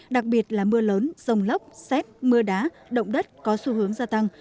đặc biệt là mưa lớn rồng lốc xét mưa đá động đất có xu hướng gia tăng